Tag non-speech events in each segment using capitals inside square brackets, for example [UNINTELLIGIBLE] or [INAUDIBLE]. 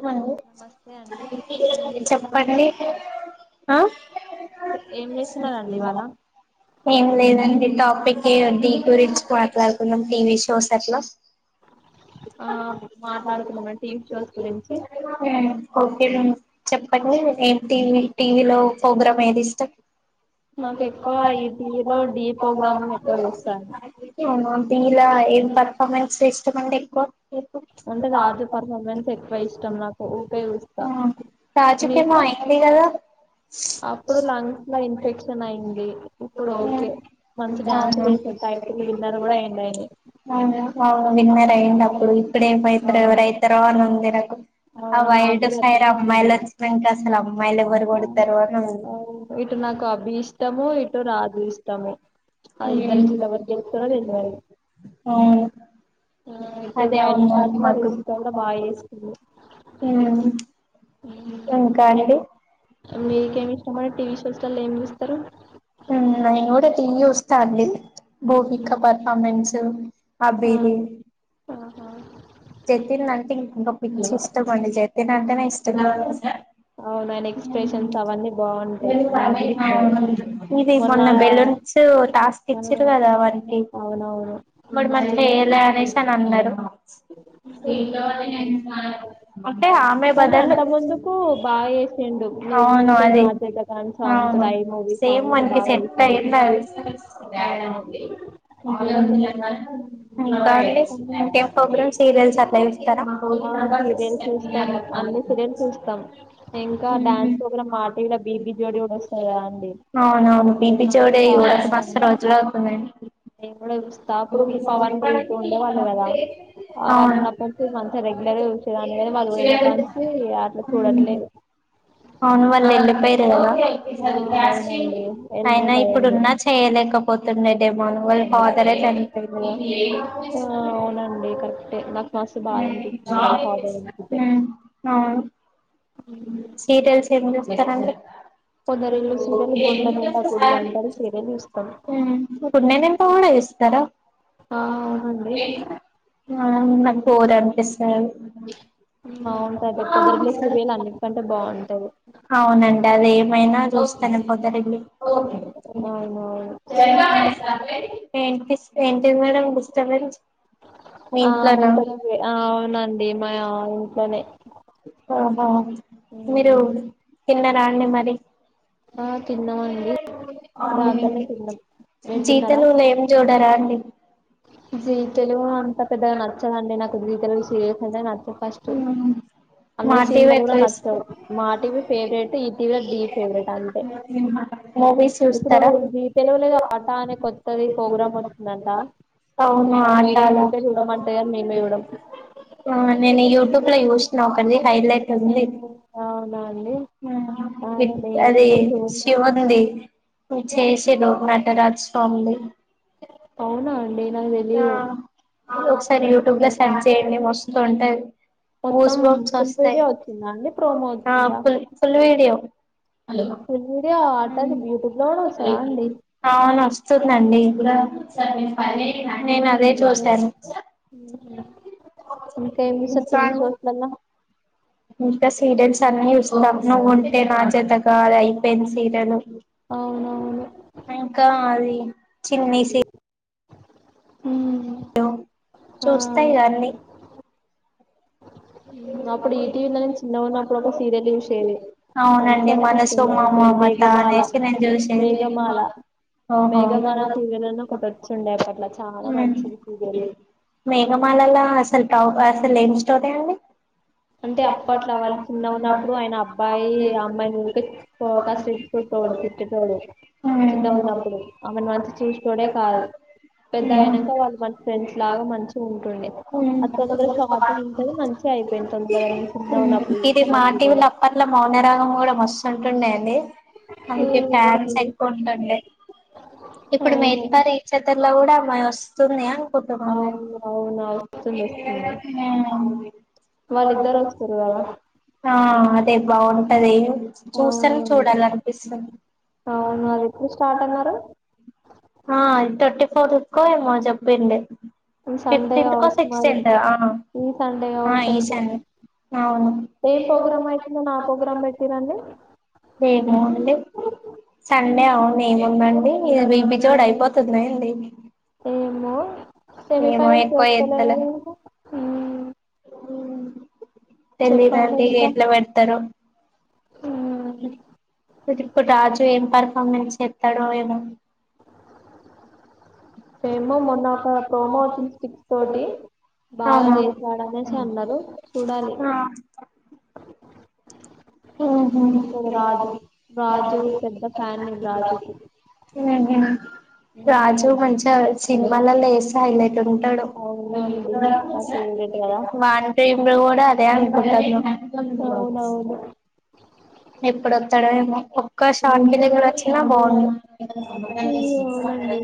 చెప్పండి నమస్తే అండి ఏం చేస్తున్నారండి చెప్పండి ఏం చేస్తున్నారండి ఇవాళ ఏం లేదండి టాపిక్ అయో దీన్ గురించి మాట్లాడుకున్నాం టీవీ షోస్ కర్ష్లోస్ ఆ మాట్లాడుకున్నామండి టీవీ షోస్ గురింంచి ఓకే మ చెప్పండి ఏం టీవీ టీవీలో ప్రోగ్రామ్ ఏది ఇస్తు నాకు ఎక్కువ ఈ టీవీలో డీ ప్రోగ్రామ్ ఎక్కువ చూస్తాను ఉ డి లా ఏం పర్ఫార్మెన్స్ ఇష్టంమండి ఎక్కువ ఉంటే రాజు పర్ఫార్మెన్స్ ఎక్ క్కువ ఇష్టం నాకు ఊకే చుస్తా రాజుకేమో మీకు అయింది కదా అప్పుడు లంగ్స్ లో ఇన్ఫెక్షన్ అయింది ఇప్పుడు ఓకే మంచి డ్యాన్స్ చేసే టైటిలు విన్నర్ కూడా అవునా అయిండు అయనే అఇందప్పుడు ఇన్ఫె ఇప్పుడు ఎవరైతారో అని ఉంది ఆ అవును నాకు వైల్డ్ కూడా ఫైర్ అట్లనే ఉంది అమ్మాయిలోచ్చినాక అస ఇటు నాకు అబి ఇష్టము ఇటు రాజు ఇష్టము ఆ ఇద్దరైట్లల్ల ఎవరు గెలుస్తారో తెల్వదు అవును ఆ వైల్డ్ కార్డల రిషిక కూడా బాగా ఏస్తుంది హు ఇంకా మీ అండి మీకేమి ఇష్టాంమడి టీవీ షోస్లల్లో ఏం చూస్తారు ఇయ్యి చూస్థండి భూమిక పర్ఫార్మెన్స్ హ ఆ అబిది పెట్టినంటే ఇంకా పో పిచ్చి ఇష్టం అండి జె తినంటేనే ఇస్ [UNINTELLIGIBLE] అవును ఆయన ఎక్స్ప్రెషన్స్ అవన్నీ బాగుంటాయి నాకు కూడా ఇష్టమే ఇది మొన్న బెలూన్స్ టాస్ ఆ ఇచ్చార్రు కదా వానికి అవునవును వాడు మంచిగ చేయలేదు అనేషి అని అన్నారు సవా సాల అ కానీ అంత ముందుకు బాగా చెసిండు నువ్వు అవును ఉంటే అది నాజ జతగాసాంగ్ అవును తోటి ఐ మూవీ సేమ్ సాంగ్ మనకి బాగా సెట్ వేసిడు అయింది అది అవును ఇంకండి ఇంకా ఎం ప్రోగ్రాం పిల్లలు సతాఇంచుత ఆ సీరియల్స్ చూస్తాం అన్ని సీరియల్స్ చూస్తాం ఇంకా డ్యాన్స్ ప్రోగ్రామ్ మా టివి లా ఇ బీబీ జోడి ఓటి వస్తాది కదా అండి అవునవును అందులో పిపి నాకు జోడి చ చూడక న మస్తు రోజులు అవుతుందండి నిను కూడా చూస్తా అప్పుడు పవన్ రీతు ఉండేవాళ్ళు కదా అ వాళ్లు అవును ఉన్నపంచె మ రెగ్యులర్గా చూసేదాన్నీ గని వాళ్ళు పోయినా కాంచీ అట్లా చూడట్లేదు అవును వాళ్ళు వెళ్ళిపోయారు అయినా ఆ అవునండి ఎలిమినేట్ అయ్యిండు ఇప్పుడున్నా చేయలేకపోతుండే డే మనువల్ ఫాదరే చనిపోయిరు టె నన్ ఉ అవును సీరియల్స్ ఏం చూస్తారండి కొందరు ఇల్లు ఉ సీరియల్ గుండె నిండా గుడి అంటారు సీరియల్ చూస్తాం ఇప్పుడు నేనింతే కూడా చూస్తారా ఆ అవునండి ఇంగ అవునండి ఫోర్ ఎంపి సె అవును రా రేపొద్దగి లేస్తే వేలు అన్లనే కంటే బాగుంటది చూస్తా నేను పొద్దటిలి అవునవును వినిపిస్ ఏంటిది మేడం డిస్టపెన్స్ ఆ ఇక్కడ వే అవునండి మా ఇంట్లోనే ఓహో మీరు ఉమ్, తిన్న రాండి మరి ఆ తిన్నామండి ఇప్పుడు ఆకనే తిన్నాం మీరు జీ తిన్నారా తెలుగుల ఏం చూడరా అండి జీ తెలుగు అంత పెద్దగా నచ్చదండి నాకు జీ తెలుగు సీరియల్స్ అంటే నచ్చదు ఫస్ట్ మా అందలో టీవీ సినిమాలు కూడా ఎక్కువ నచ్చవు చూస్తారు మా టీవీ ఫేవరెట్ ఈ టీవీల డి ఫేవరెట్ అంతే మూవీస్ ఇప్పుడు చూస్తారా జీ తెలుగు లేదో ఆటా అనే కొత్తది ప్రోగ్రాం వచ్చిందంట అవునా మా మేడం ఆటాల ఊకే చూడమంటది కానీ మేమే చూడం నేను యుటూబ్ ఇట్ల చూసు కనీ హైలేట్ ఉంది అవునా అండి నేను అది ఎప్పుడు చూడలే శివ ఉంది నువు చేసేలో నటరాజ స్వామిని అవునా అం ఆ ఒకసారి యూట్యూబ్ ల సర్చ్ చేయండి మస్తు ఉంటది మొత్తం గుసుబమ్స్ ఫుల్ వస్తాయి వీడియో వచ్చిందా అండి ప్రోమో ఆ వచ్చిందా full full video hello full video ఆటది యూట్యూబ్ లో కూడా వస్తదా అండి అవును అస్తుందండి నేను అదే ఏమో. చూసాను ఇంకా ఏం చూస్తారు చ టీవీ షోస్లలా ఉస్తన గుంటంట మాజ దగయి పెన్సీలను అవునవును [INAUDIBLE] చిన్న స అ చూస్తాయి అన్ని అప్పుడు ఈటీవీలో నేను చిన్నగా ఉన్నప్పుడు ఒక సీరియల్ చూసేది మంచి అవునండి మనసు అనిపిస్తుంది పేరు మమమత మేఘమాల అనేసి నేను చూసేది మేఘమాల మేఘమాల ఓహో సీరియల్ అని ఒకటి వచ్చిండే అప్పట్లో చాలా మంచిది సీరియల్ మేఘమాలలో అసలు కా అసలు [UNINTELLIGIBLE] అండి అంటే అప్పట్లో వాళ్ళు చిన్నగా ఉన్నప్పుడు ఆయన అబ్బాయి అమ్మాయి వంక [UNINTELLIGIBLE] తోడు తిట్టే టోడు చిన్నగా ఉన్నప్పుడు, ఆమెను మంచి చూసి టోడే కాదు, పెద్ద అయినాక వాళ్ళు మంచి ఫ్రెండ్స్ లాగా మంచిగా ఉంటుండే, అది తొందర షాట్ ఉంటుంది మంచిగా అయిపో ఇది మా సీరియల్ టివిలా అప్పట్లా మౌనరగం కూడా మస్త్ [UNINTELLIGIBLE] అందుకే ఫ్యాన్స్ ఎక్కువ ఉంటుండే, ఇప్పుడు అవును మెడ్ ఫర్ ఈచ్ ఆథర్ లో కూడా మ మస్తుందియా కొత్త అవును అవును వస్తుంది వస్తుంది ఉ వాళ్ళిద్దరు వస్తారు కదా ఆ అదే బాగుంటది చూస్తానే అవునండి చూడాలనిపిస్తుంది అవును అది ఎప్పుడు స్టార్ట్ అన్నారు ఆ సిక్స్ ఫార్టీ కో ఏమో చెప్పింది సండే అవుతు మరి ఈ సండే ఆ అయితే ఈ సండే అవును ఏం ప్రోగ్రామ్ అయితుందని ఆ ప్రోగ్రామ్ పెట్టిరండి ఏముంది సండే అవును ఏముందండి ఇగ బిపిచోడు [UNINTELLIGIBLE] ఏమో ఏమో సెమీఫైనల్ ఎక్కువ చేస్తలేరెందుకు అ ఉ చెప్పండి తెలిదండి ఇంకా ఎట్లా పెడతారో మ్మ్. ఇ ఇప్పు ఇప్పుడు రాజు ఏం పర్ఫార్మెన్స్ చేస్తా తడవ ఏమ ఏమో మొన్న ఒక ప్రోమో వచ్చింది స్టిక్స్ తోటి బాగా అవునా చేసాడు అనేసి అన్నారు చూడాలి ఆ మంచోడు రాజు రాజు పెద్ద ఫ్యాన్ నేను రాజుకి రాజు మంచి సినిమాలల్లో చేస్తున్నప్పుడు అవునండి నా ఫేవరెట్ కదా మా ఆంటీ వీళ్ళు కూడా అదే అంటున్నారు అవునవును ఎప్పుడొస్తాడో ఏమో ఒక షాట్ దగ్గరికి వచ్చినా బాగుంది. అవునండి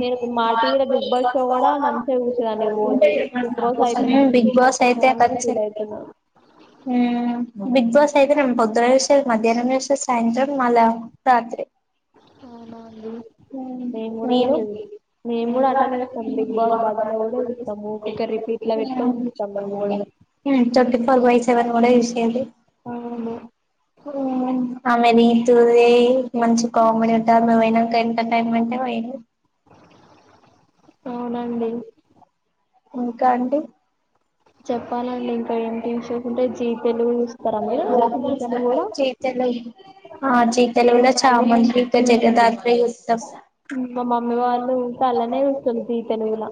నేను మా టీవీలో బిగ్ బాస్ షో కూడా మంచిగా చూసేదాన్ని రోజు బిగ్ బాస్ అయిపోయినందుకు మస్తు లోన్లీగా ఫీల్ అవుతున్నా హ్మ్ బిగ్ బాస్ అయితేనమ్ భద్ర వషయ [UNINTELLIGIBLE] మధ్యాహ్నం చేస్తాది సాయంత్రం మళ్ళ రాత్రి అవునా అండి హ్మ్ మేము కూడా మీరు చూసేది మేము కూడా అట్లనే చూస్తాం బిగ్ బాస్ బజ్లో కూడా చూస్తాము ఊకూకే రిపీట్లో పెట్టుకొని చూస్తాం మేము కూడా హ్మ్ చెప్పు [UNINTELLIGIBLE] సెవన్ కూడా హ్మ్ అవును [INAUDIBLE] ఆమె రీతూ ది మంచి కామెడీ ఉంటారు మేవైనా గంట టైమ్ అంటే వేయిరు అవునండి ఇంకా అండి చెప్పాలండి ఇంకా ఏంటి షోస్ ఉంటే జీతెలుగు చూస్తారా మీరు జీతెలుగు కూడా చీతలు ఆ జీ తెలుగులో చామంతి ఇంకా జగదాత్రీ చూస్తాం మా మమ్మీ వాళ్ళు ఇంకా అలానే చూస్తారు జీ తెలుగులా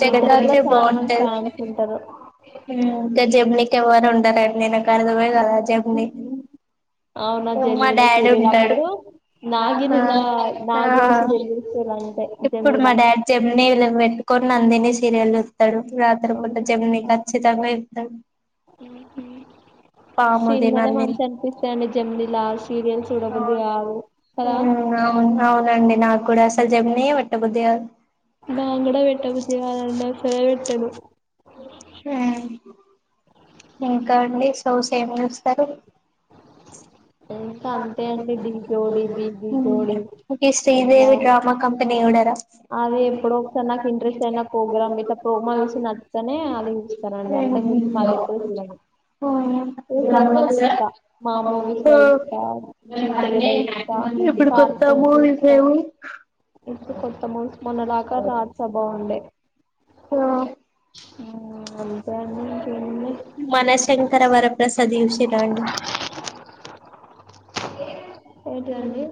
జీ తెలుగు కూడా జగదాత్రే చాలా మంది బావు ఫ్యాన్స్ ఉంటారు హ్మ్ రేపు నీకి ఎవ్వరు ఉండరు నేను ఒకటే రంగమే కదా జమ్ని అవునా మా జెమిని డాడీ సీరియల్ ఉంటాడు అప్పుడు ఆ నాగినిలా ఆ నాగిని సీరియల్ చూస్తారు అంతే ఇప్పుడు జెమినిలా మా డాడీ జమినిల పెట్టుకున్నా నందిని సీరియల్లో [UNINTELLIGIBLE] రాత్రి అవును. పూట జెమిని ఆ, ఖచ్చితంగా చూస్తారు పాముది సినిమాలే నందిని మంచి అనిపిస్తాయండి జెమినిలా సీరియల్ చూడబుద్ధి కాదు కదా అవును అవునండి నాకు కూడా జెమిని యే పెట్టబుద్ది కాదు నా [UNINTELLIGIBLE] పెట్టబుద్ధి కాదు అండి శెలవిట్టడు ఇంకా అండి షోస్ ఏమి చూస్తారు? ఇంకా అంతే అండి ఢీ జోడి బీబీ జోడి ఒకే శ్రీదేవి డ్రామా కంపెనీ చూడరా అదే ఎప్పుడో ఒకసారి నాకు ఇంట్రెస్ట్ అయిన ప్రోగ్రామ్ ఇదా ప్రోమో చూసి నచ్చుతేనే అది చూస్తానండి అంతకు మించి మళ్ళీ ఎప్పుడు చూడను సినిమా చూస్తా మా మూవీస్ లో చూస్తా జీ తెలుగులో చూస్తా ఎప్పుడు కార్టూన్స్ కొత్తామో ఏమో మొన్న దాకా రాసా బావుండే మనశంకర వరప్రసాద్ చూసేరా అండి ఏంటి అండి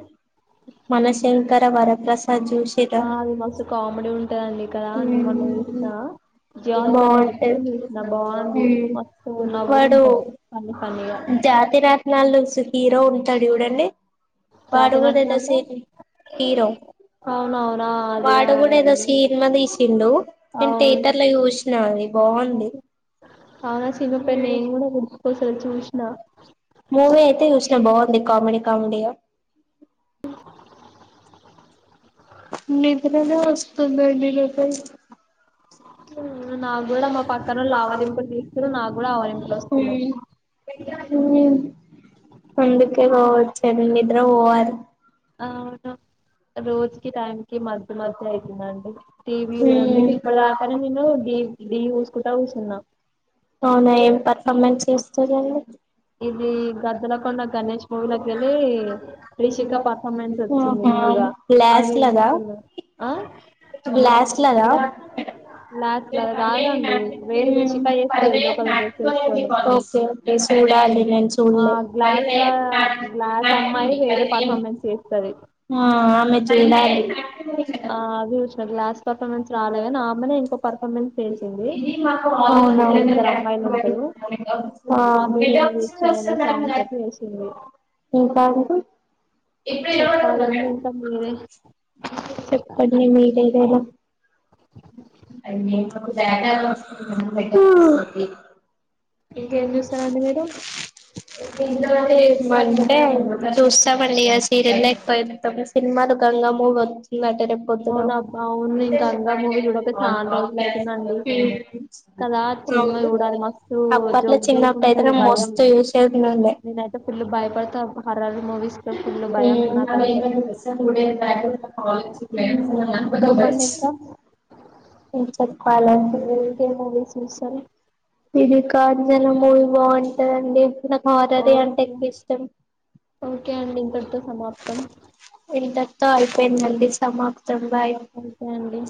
మనశంకర వర ఆ అది మస్తు కామెడీ ఉంటందండి కదా. న మొన్న చూసినా జ్యవ్ హాట్స్ంలో పెట్టుకొని బాగుంటది చూసినా బావుంది. మస్తు నవ్వుడు వాడు ఉంటది. ఫనీ ఫన్నగా తడి చూడండి వాడు కూడా ఏదో నటనలో సిని హీరో అవునవునా అది వాడు అవును కూడా ఏదో సినిమా తీసిండు. నేను అవును థియేటర్ లో చూసినది బావుంది. అవునా సినిమా పేరు నేను కూడా గుర్తుకోసలే చూసిన మూవీ అయితే చూసినా బాగుంది. కామెడీ కామెడీగా నిద్రనే వస్తుందండి లో పై ఉమ్, నాకు కూడా మా పక్కనోళ్ళు ఆవలింపులు తీస్తురు నాకు కూడా ఆవలింపులు వస్తున్నాయి ఉహ్మ్ ఉహ్మ్ అందుకే పోవచ్చండి నిద్రపోవాలి అవును రోజుకి టైం కి మధ్ మధ్ అయితుందండి. టీ. వీ అందుకే ఉమ్ ఇప్పుడ దాకనే నేను డీ డీ ఊసుకుంటా కుసున్నా. అవునా ఏం పర్ఫార్మెన్ మీర్ చేస్తారండి ఇది గద్దలకొండ గణేష్ మూవీలకేళ్ళి రిషిక పర్ఫార్మెన్స్ వచ్చింది. ఆహా న్యూగా గ్లాస్ అది లాగా చూస్తున్నా. ఆహ్ గ్లాస్ లాగా గ్లాస్ల రాదండి వేరే రిశిక. ఒకే చూడలి నేను చూడ్లే గ్లాస్లా గ్లాస్ లా గ్లాస్ అమ్మాయి వేరే ఉహ్మ్ పర్ఫార్మెన్స్ చేస్తుంది అమెజె ట్యాంక్ ఆ, అది చూసిన గ్లాస్ పర్ఫార్మెన్స్ రాలేగనా అమ్మానే ఇంకో పర్ఫార్మెన్స్ చేచింది. అవునా ఇంకా ఇద్దరు అమ్మాయిలు ఉంటారు. ఆ మాధురి దీక్షిత్ అనే సాంగ్ తోటి చేసింది ఇంకా చెప్పాలండి ఇంకా మీరే చెప్పండి మీదైతే ఎలా అ ఇంకేం చూస్తారండి మీరు మండే ఒకసారి చూస్తామండి. ఈ రెండ్పోయి తమిళ్ సినిమా లో గంగ మూవత్ ఉందాట రేప్ పొద్దున నేన్ గంగా మూవీ చూడక చాలా రోజులు అయితుందండి. కదా సినిమా చూడాలి. మస్తు అప్పట్లో జోక్ జోక్ చిన్నప్పుడు అయితే ఉంటది. నేను భయం మస్తు చూసేది ఉండే నేనైతే ఫుల్లు భయపడతా హరర్ మూవీస్ లో ఫుల్లు భయం నాక్ అంటే. [UNINTELLIGIBLE] ఇంక మీరి ఇంకే చెప్పాలండి మూవీస్ చూస్తారు. ఇది కంజనా మూవీ బాగుంటధండి అర్రర్ అంటే ఓకే ఎక్కువ్ ఇష్టం. ఓకే అండి ఇంతటితో సమాప్తం ఎంచక్కా అది ఏందండి సమాప్త్ ఓకే అండి